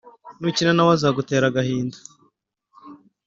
nukina na we, azagutera agahinda.